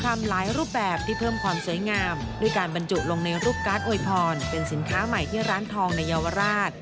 มีการบรรจุลงในรูปการ์ดโอยพรเป็นสินค้าใหม่ที่ร้านทองในเยาวราช